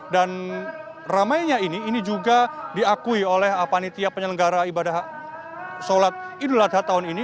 dan ramainya ini ini juga diakui oleh panitia penyelenggara ibadah sholat idul adha tahun ini